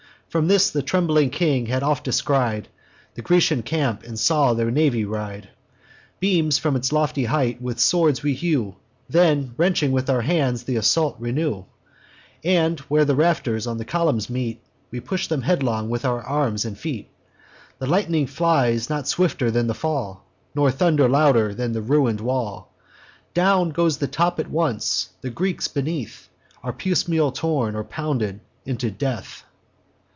From this the trembling king had oft descried The Grecian camp, and saw their navy ride. Beams from its lofty height with swords we hew, Then, wrenching with our hands, th' assault renew; And, where the rafters on the columns meet, We push them headlong with our arms and feet. The lightning flies not swifter than the fall, Nor thunder louder than the ruin'd wall: Down goes the top at once; the Greeks beneath Are piecemeal torn, or pounded into death.